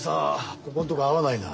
ここんとこ会わないな。